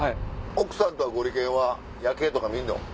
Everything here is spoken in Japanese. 奥さんとはゴリけんは夜景とか見るの？